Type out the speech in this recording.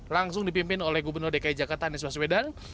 langsung dipimpin oleh gubernur dki jakarta anies baswedan